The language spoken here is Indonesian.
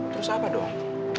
terus apa dong